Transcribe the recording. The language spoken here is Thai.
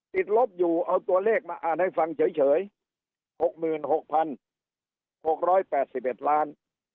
ติดลบอยู่เอาตัวเลขมาอ่านให้ฟังเฉยเฉยหกหมื่นหกพันหกร้อยแปดสิบเอ็ดล้าน